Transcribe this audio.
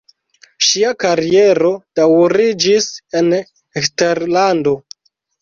Ŝia kariero daŭriĝis en eksterlando.